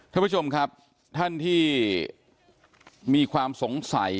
ท่านผู้ชมครับท่านที่มีความสงสัย